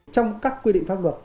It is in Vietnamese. trong các quy định pháp luật